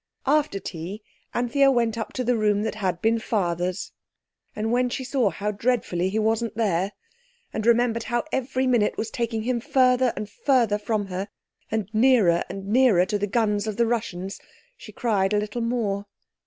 After tea Anthea went up to the room that had been Father's, and when she saw how dreadfully he wasn't there, and remembered how every minute was taking him further and further from her, and nearer and nearer to the guns of the Russians, she cried a little more.